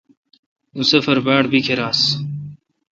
اؙں سفر باڑ بیکھر آس۔